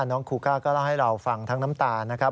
น้องคูก้าก็เล่าให้เราฟังทั้งน้ำตานะครับ